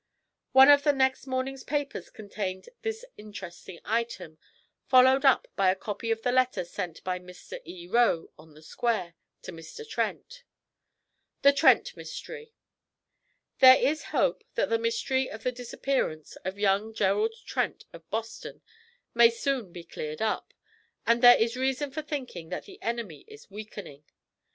One of the next morning's papers contained this interesting item, followed up by a copy of the letter sent by Mr. 'E. Roe, On the Square,' to Mr. Trent: 'THE TRENT MYSTERY. 'There is hope that the mystery of the disappearance of young Gerald Trent of Boston may soon be cleared up. And there is reason for thinking that the enemy is weakening.